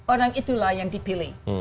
orang itulah yang dipilih